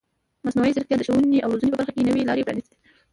مصنوعي ځیرکتیا د ښوونې او روزنې په برخه کې نوې لارې پرانیستې دي.